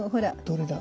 どれだ？